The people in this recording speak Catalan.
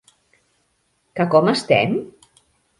Que com estem?